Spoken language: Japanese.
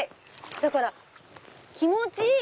だから気持ちいい！